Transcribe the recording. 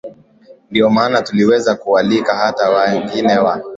ndio maana tuliweza kualika hata wengine wa